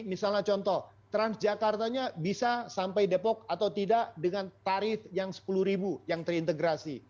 misalnya contoh transjakartanya bisa sampai depok atau tidak dengan tarif yang rp sepuluh yang terintegrasi